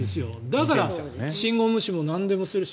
だから信号無視もなんでもするし。